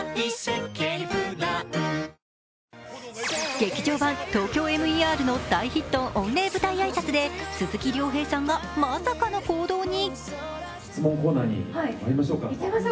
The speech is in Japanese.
「劇場版ＴＯＫＹＯＭＥＲ」の大ヒット御礼舞台挨拶で鈴木亮平さんがまさかの行動に。